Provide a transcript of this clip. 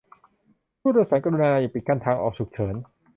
ผู้โดยสารกรุณาอย่าปิดกั้นทางออกฉุกเฉิน